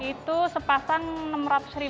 itu sepasang rp enam ratus